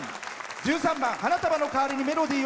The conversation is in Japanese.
１３番「花束のかわりにメロディーを」